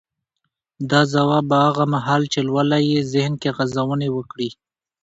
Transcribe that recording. دا ځواب به هغه مهال چې لولئ يې ذهن کې غځونې وکړي.